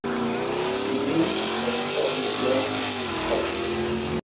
چینی شەشسەد ملیۆنیش هەبوو